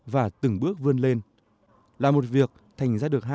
và từng bước vươn lên